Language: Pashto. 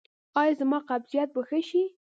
ایا زما قبضیت به ښه شي؟